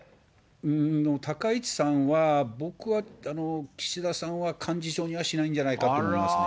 うーん、でも高市さんは、僕は、岸田さんは幹事長にはしないんじゃないかと思いますね。